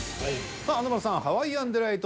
華丸さん「ハワイアンデライト」。